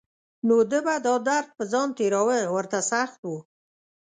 نو ده به دا درد په ځان تېراوه ورته سخت و.